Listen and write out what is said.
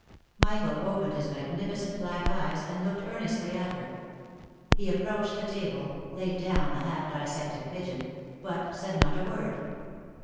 Michael opened his magnificent black eyes, and looked earnestly at her. He approached the table, laid down the half dissected pigeon, but said not a word.